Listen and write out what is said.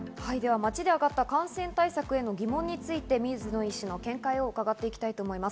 街であがった感染対策への疑問について水野医師の見解を伺います。